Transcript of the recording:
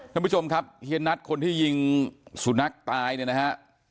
ท่านผู้ชมครับเฮียนัทคนที่ยิงสุนัขตายเนี่ยนะฮะ